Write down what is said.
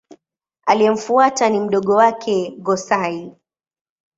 Aliyemfuata ni mdogo wake Go-Sai.